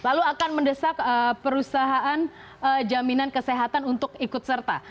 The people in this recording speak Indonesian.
lalu akan mendesak perusahaan jaminan kesehatan untuk ikut serta